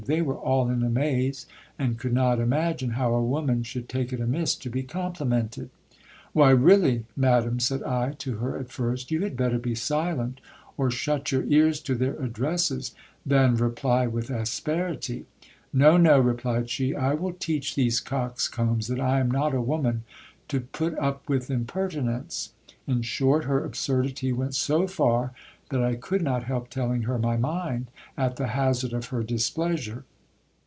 They were all in amaze, and could not imagine how a woman should take it amiss to be complimented. Why really ! madam, said I to her at first, you had better be silent, or shut your ears to their addresses, than reply with asperity. No, no, replied she : I will teach these coxcombs that I am not a woman to put up with impertinence. In short, her absurdity went so far, that I could not help telling her my mind, at the hazard of her displeasure.